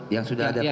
yang sudah ada kopi